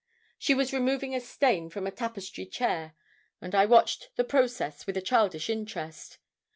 She was removing a stain from a tapestry chair, and I watched the process with a childish interest.